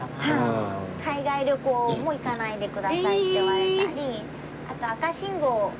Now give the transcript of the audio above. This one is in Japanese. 海外旅行も行かないでくださいって言われたり。